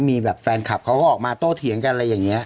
มีแบบแฟนคลับเขาก็ออกมาโต้เถียงกันอะไรอย่างนี้